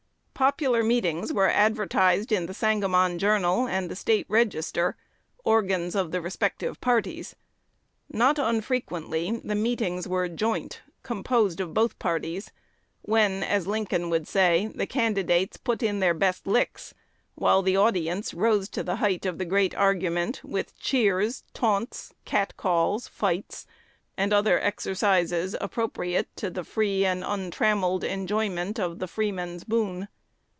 Popular meetings were advertised in "The Sangamon Journal" and "The State Register," organs of the respective parties. Not unfrequently the meetings were joint, composed of both parties, when, as Lincoln would say, the candidates "put in their best licks," while the audience "rose to the height of the great argument" with cheers, taunts, cat calls, fights, and other exercises appropriate to the free and untrammelled enjoyment of the freeman's boon.